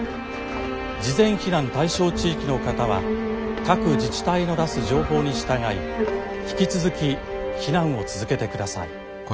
事前避難対象地域の方は各自治体の出す情報に従い引き続き避難を続けてください。